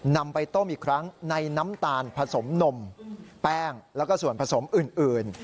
นำไปต้มอีกครั้งในน้ำตาลผสมนมแป้งแล้วก็ส่วนผสมอื่น